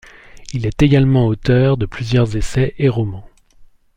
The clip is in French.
Il est également auteur de plusieurs essais et romans.